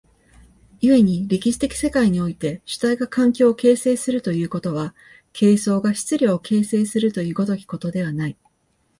故に歴史的世界において主体が環境を形成するということは、形相が質料を形成するという如きことではない。